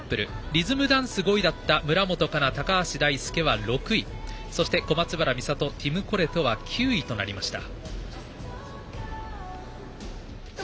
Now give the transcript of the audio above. リズムダンス５位だった村元哉中、高橋大輔は６位そして小松原美里、ティム・コレトは９位となりました。